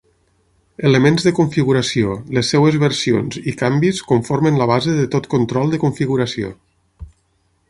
Elements de configuració, les seves versions i canvis conformen la base de tot control de configuració.